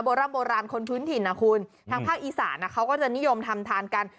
โบราณโบราณคนพื้นถิ่นนะคุณทางภาคอีสานเขาก็จะนิยมทำทานกัน